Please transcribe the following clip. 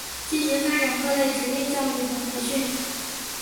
积极发展各类职业教育和培训。